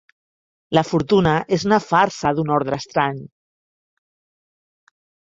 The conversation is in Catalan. "La fortuna" és una farsa d'un ordre estrany.